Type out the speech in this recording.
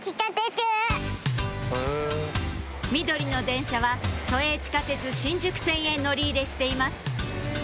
緑の電車は都営地下鉄新宿線へ乗り入れしています